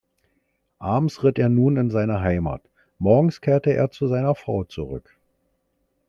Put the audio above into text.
Abends ritt er nun in seine Heimat, morgens kehrte er zu seiner Frau zurück.